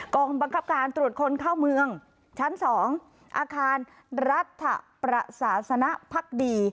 กองบังคับการตรวจคนเข้าเมืองชั้น๒อาคารรัฐประสาสนพักดี